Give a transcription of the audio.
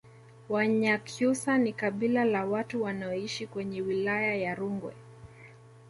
Wanyakyusa ni kabila la watu wanaoishi kwenye wilaya ya Rungwe